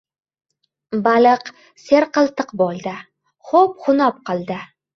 Baliq serqiltiq bo‘ldi, xo‘p xunob qildi.